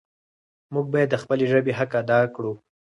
موږ باید د خپلې ژبې حق ادا کړو.